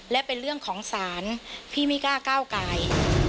และเป็นเรื่องของศาลพี่ไม่กล้าก้าวกาย